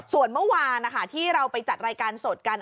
ส่วนเมื่อวานที่เราไปจัดรายการสดกัน